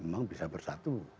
memang bisa bersatu